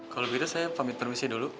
kalau begitu saya pamit permisi dulu